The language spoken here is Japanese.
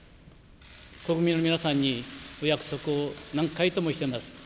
国民の皆さんにお約束を何回もしています。